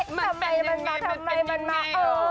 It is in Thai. ทำไมมันมาทำไมมันมาเออ